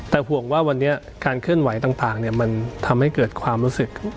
แต่ห่วงว่าวันนี้การเคลื่อนไหวต่างมันทำให้เกิดความรู้สึก